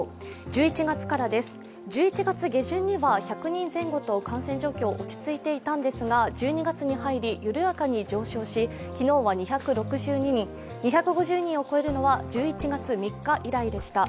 １１月下旬には１００人前後と感染状況が落ち着いていたんですが、１２月に入り、緩やかに上昇し昨日は２６２人、２５０人を超えるのは１１月３日以来でした。